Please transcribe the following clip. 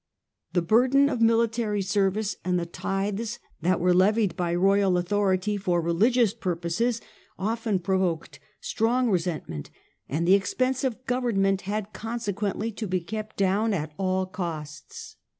The burden of military service, and the tithes that were levied by royal authority for religious purposes, often provoked strong resentment, and the expense of government had consequently to be kept down at all costs.